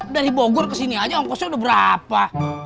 dari bogor ke sini saja angkosnya sudah berapa